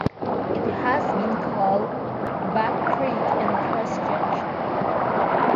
It has been called Back Creek and Cross Junction.